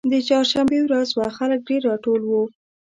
د چهارشنبې ورځ وه خلک ډېر راټول وو.